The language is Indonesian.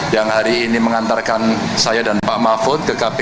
yang hari ini mengantarkan saya dan pak mahfud ke kpk